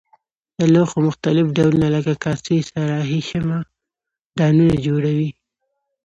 د لوښو مختلف ډولونه لکه کاسې صراحي شمعه دانونه جوړوي.